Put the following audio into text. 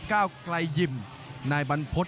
ก้าวไกลยิมนายบรรพฤษ